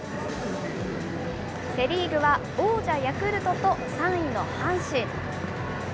セ・リーグは王者ヤクルトと３位の阪神。